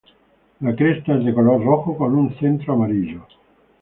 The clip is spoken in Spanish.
La cresta es de color rojo con un centro amarillo.